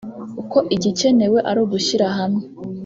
ko igikenewe ari ugushyira hamwe